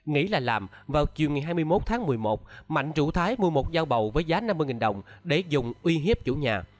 nghĩ là làm vào chiều ngày hai mươi một tháng một mươi một mạnh rủ thái mua một dao bầu với giá năm mươi đồng để dùng uy hiếp chủ nhà